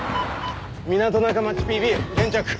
港中町ＰＢ現着。